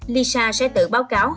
lisa sẽ tự báo cáo